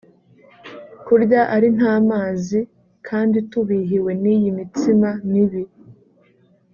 kurya ari nta mazi kandi tubihiwe n’iyi mitsima mibi